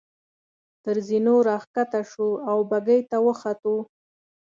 تر زینو را کښته شوو او بګۍ ته وختو.